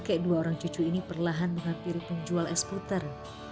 kek dua orang cucu ini perlahan menghampiri penjual es puter